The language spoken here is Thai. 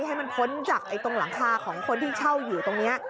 ให้มันพ้นจากตรงหลังคาของคนที่เช่าอยู่ตรงนี้